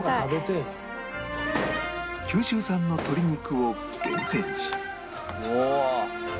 九州産の鶏肉を厳選し